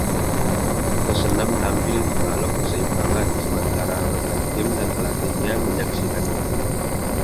Pesenam tampil di balok keseimbangan, sementara rekan tim dan pelatihnya menyaksikannya.